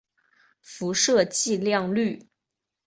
辐射剂量率。